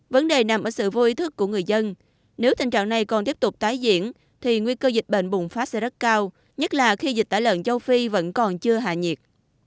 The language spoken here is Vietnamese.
vấn đề nằm ở sự vô ý thức của người dân nếu tình trạng này còn tiếp tục tái diễn thì nguy cơ dịch bệnh bùng phát sẽ rất cao nhất là khi dịch tả lợn châu phi vẫn còn chưa hạ nhiệt